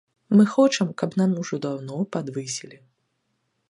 Мы хочам, каб нам ужо даўно падвысілі.